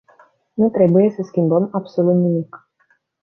Nu trebuie să schimbăm absolut nimic.